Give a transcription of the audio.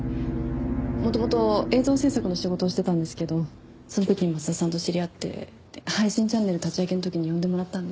元々映像制作の仕事をしてたんですけどその時に松田さんと知り合って配信チャンネル立ち上げの時に呼んでもらったんです。